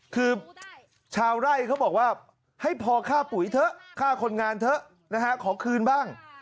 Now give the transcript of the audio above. คือชาวไร่เขาบอกว่าให้พอค่าปุ๋ยเถอะค่าคนงานเถอะนะฮะขอคืนบ้าง